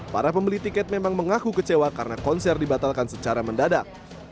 para pembeli tiket memang mengaku kecewa karena konser dibatalkan secara mendadak